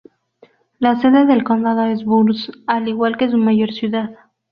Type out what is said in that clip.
La sede del condado es Burns, al igual que su mayor ciudad.